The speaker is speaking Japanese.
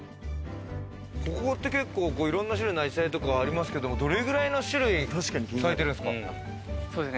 ここって結構いろんな種類の紫陽花がありますけど、どれくらいの種類咲いてるんですか？